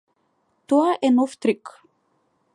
Тоа е нов трик.